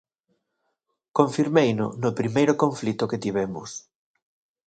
confirmeino no primeiro conflito que tivemos.